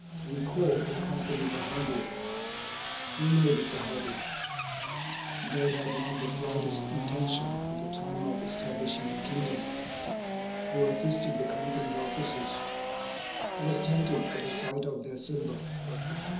Recall the Company Bahadur. Who made it Bahadur? They had not the slightest intention at the time of establishing a kingdom. Who assisted the Company's officers? Who was tempted at the sight of their silver?